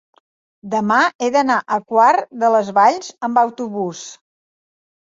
Demà he d'anar a Quart de les Valls amb autobús.